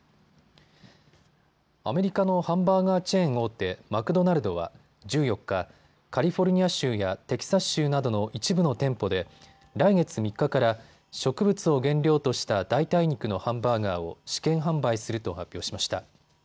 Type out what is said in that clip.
アメリカのハンバーガーチェーン大手、マクドナルドは１４日、カリフォルニア州やテキサス州などの一部の店舗で来月３日から植物を原料とした代替肉のハンバーガーを試験販売すると発表しました。